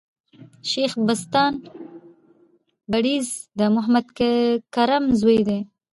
شېخ بُستان بړیځ د محمد کرم زوی دﺉ.